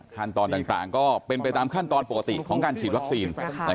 ขั้นตอนต่างก็เป็นไปตามขั้นตอนปกติของการฉีดวัคซีน